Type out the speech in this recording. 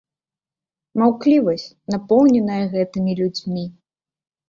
Маўклівасць, напоўненая гэтымі людзьмі!